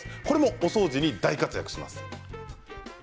これもお掃除に大活躍します。